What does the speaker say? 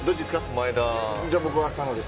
前田。